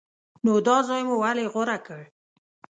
نو دا ځای مو ولې غوره کړ؟